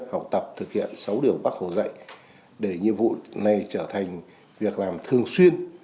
học tập thực hiện sáu điều bác hồ dạy để nhiệm vụ này trở thành việc làm thường xuyên